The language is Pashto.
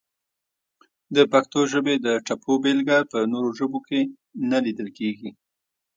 د پښتو ژبې د ټپو بېلګه په نورو ژبو کې نه لیدل کیږي!